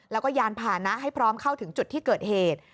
แล้วก็ยานผ่านะให้พร้อมเข้าถึงจุดที่เกิดเหตุ